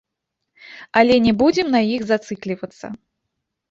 Але не будзем на іх зацыклівацца.